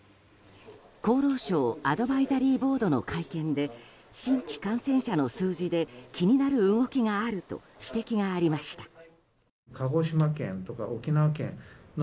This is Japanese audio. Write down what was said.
厚労省アドバイザリーボードの会見で新規感染者の数字で気になる動きがあると指摘がありました。